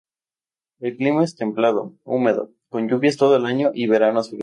El clima es templado, húmedo, con lluvias todo el año y veranos frescos.